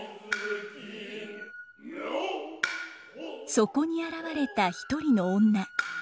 そこに現れた一人の女。